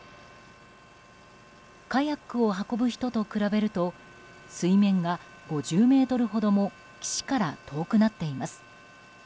カヤックを運ぶ人と比べると水面が５０ｍほども岸から遠くなっています。